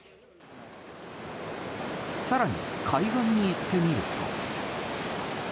更に、海岸に行ってみると。